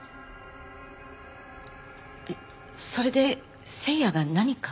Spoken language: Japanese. それで星也が何か？